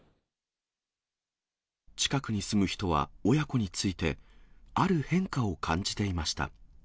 近くに住む人は親子について、ある変化を感じていました。